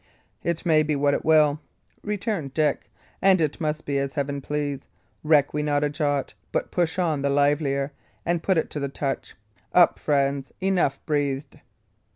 "It may be what it will," returned Dick; "and it must be as heaven please. Reck we not a jot, but push on the livelier, and put it to the touch. Up, friends enough breathed."